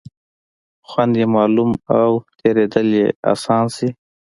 خوند یې معلوم او تېرېدل یې آسانه شي.